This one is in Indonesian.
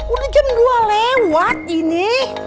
udah jam dua lewat ini